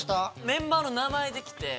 「メンバーの名前」で来て。